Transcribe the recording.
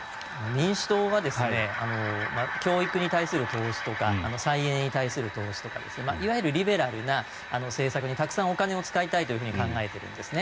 民主党は教育に対する投資とか再エネに対する投資とかいわゆるリベラルな政策にたくさんお金を使いたいと考えているんですね。